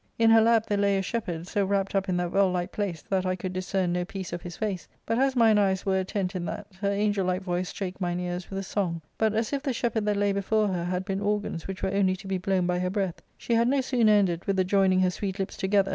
In her lap there lay a shepherd, so wrapped up in that well liked place that I could discern no piece of his face ; but as mine eyes were attent [intent] in that, her angel like voice strake mine ears with a song. But, as if the shepherd that lay before her had been organs which were only to be blown by her breath, she had no sooner ended with the joining her sweet lips together but that he recorded* to * Recorded— Sang in a soft fluting manner.